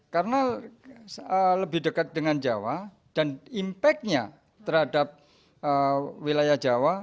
karena lebih dekat dengan jawa dan impact nya terhadap wilayah jawa